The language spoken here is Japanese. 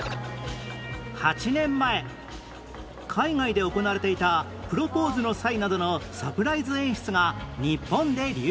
８年前海外で行われていたプロポーズの際などのサプライズ演出が日本で流行